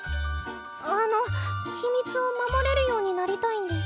あの秘密を守れるようになりたいんです。